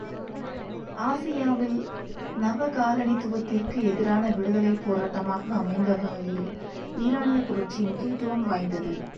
ஆசியாவில், நவகாலனித்துவத்திற்கு எதிரான விடுதலைப்போராட்டமாக அமைந்த வகையில் ஈரானியப் புரட்சி முக்கியத்துவம் வாய்ந்தது.